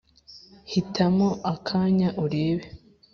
hitamo akanya urebe,